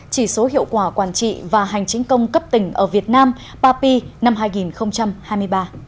chỉ số hiệu quả quản trị và hành chính công cấp tỉnh ở việt nam papi năm hai nghìn hai mươi ba